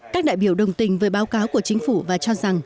các đại biểu đồng tình với báo cáo của chính phủ và cho rằng